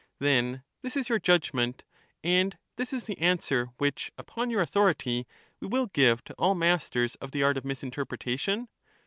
Then this is your judgment ; and this is the answer ^^^^^•^^ which, upon your authority, we will give to all masters of the matiL ^ art of misinterpretation